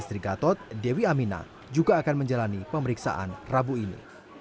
istri gatot dewi amina juga akan menjalani pemeriksaan rabu ini